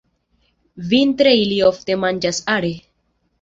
Vintre ili ofte manĝas are.